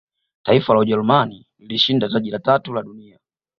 taifa la ujerumani lilishinda taji la tatu la dunia